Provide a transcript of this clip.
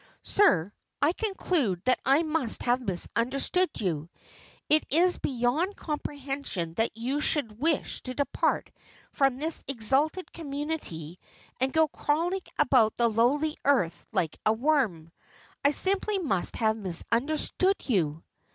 Sir, I conclude that I must have misunderstood you. It is beyond comprehension that you should wish to depart from this exalted community and go crawling about the lowly earth like a worm. I simply must have misunderstood you."